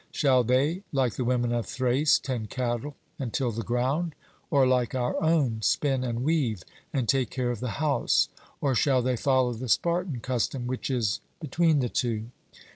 Shall they, like the women of Thrace, tend cattle and till the ground; or, like our own, spin and weave, and take care of the house? or shall they follow the Spartan custom, which is between the two?